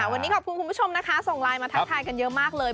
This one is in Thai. วันนี้ขอบคุณคุณผู้ชมนะคะส่งไลน์มาทักทายกันเยอะมากเลย